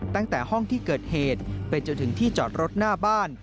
ตั้งแต่ห้องที่เกิดเหตุไปจนถึงที่จอดรถหน้าบ้าน